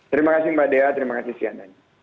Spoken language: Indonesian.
terima kasih mbak dea terima kasih cnn